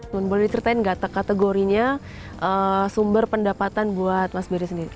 boleh diceritain kategorinya sumber pendapatan buat mas bery sendiri